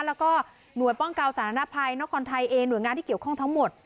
แล้วก็หน่วยป้องกันสาธารณภัยนครไทยเองหน่วยงานที่เกี่ยวข้องทั้งหมด